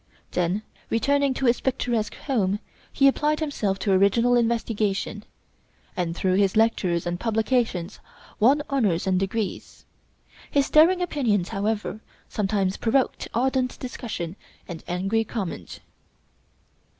Then returning to his picturesque home, he applied himself to original investigation, and through his lectures and publications won honors and degrees. His daring opinions, however, sometimes provoked ardent discussion and angry comment.